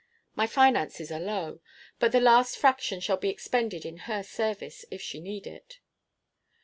My finances are low; but the last fraction shall be expended in her service, if she need it.